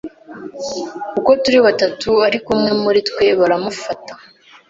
uko turi batatu ariko umwe muri twe baramufata